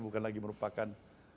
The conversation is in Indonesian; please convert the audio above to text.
bukan lagi merupakan